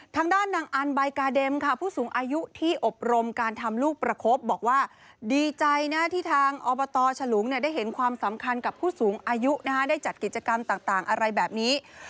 ทางด้านนางอันใบกาเด็มค่ะผู้สูงอายุที่อบรมการทำลูกประคบบอกว่าดีใจนะที่ทางอบตฉลุงได้เห็นความสำคัญกับผู้สูงอายุได้จัดกิจกรรมต่างอะไรแบบนี้